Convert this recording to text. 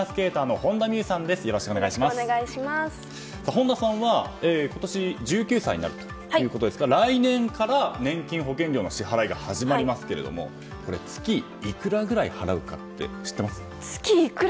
本田さんは今年１９歳になるということですから来年から年金保険料の支払いが始まりますけれども月いくらぐらい払うかって知ってますか？